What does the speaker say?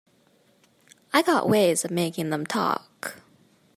I got ways of making them talk.